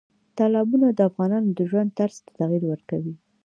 تالابونه د افغانانو د ژوند طرز ته تغیر ورکوي.